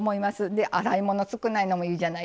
で洗い物少ないのもいいじゃないですか。